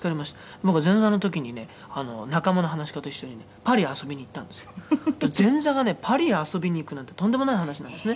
僕は前座の時にね仲間の噺家と一緒にねパリへ遊びに行ったんですよ」「前座がパリへ遊びに行くなんてとんでもない話なんですね」